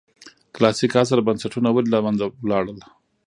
کلاسیک عصر بنسټونه ولې له منځه لاړل.